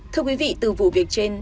thưa quý vị từ vụ việc trên